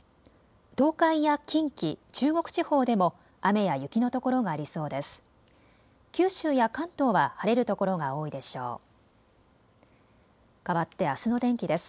東海や近畿、中国地方でも雨や雪のところがありそうです。